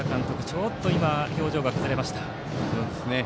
ちょっと表情が崩れました。